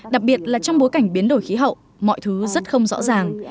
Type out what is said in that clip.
đặc biệt là trong bối cảnh biến đổi khí hậu mọi thứ rất không rõ ràng